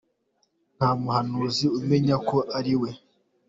Nta muhanuzi umenya ko ari we